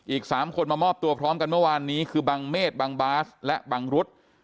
อีก๓คนมามอบตัวพร้อมกันเมื่อวานนี้คือบังเมษบังบาสและบังรุษ